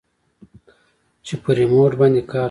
چې په ريموټ باندې کار کوي.